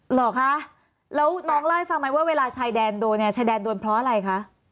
เหรอคะแล้วน้องเล่าให้ฟังไหมว่าเวลาชายแดนโดนเนี่ยชายแดนโดนเพราะอะไรคะ